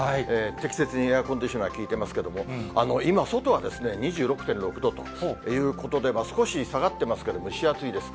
適切にエアコンディショナーが効いておりますけれども、今、外は２６．６度ということで、少し下がってますけれども、蒸し暑いです。